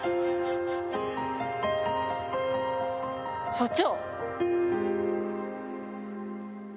所長！